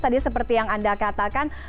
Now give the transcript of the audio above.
tadi seperti yang anda katakan